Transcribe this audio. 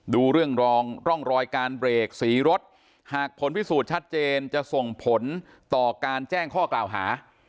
ดูเรื่องรองร่องรอยการเบรกสีรถหากผลพิสูจน์ชัดเจนจะส่งผลต่อการแจ้งข้อกล่าวหา